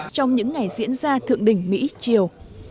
trong những ngày diễn ra thượng đình mỹ chiều